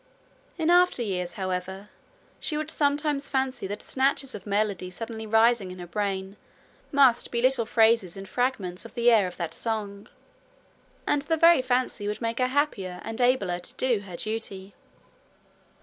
In after years, however, she would sometimes fancy that snatches of melody suddenly rising in her brain must be little phrases and fragments of the air of that song; and the very fancy would make her happier, and abler to do her duty.